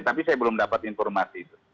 tapi saya belum dapat informasi itu